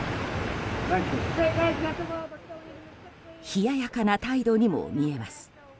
冷ややかな態度にも見えます。